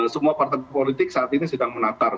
semua partai politik saat ini sedang menatar